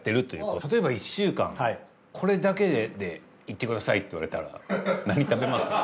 たとえば１週間これだけでいってくださいって言われたらなに食べます？